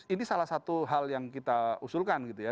ini salah satu hal yang kita usulkan gitu ya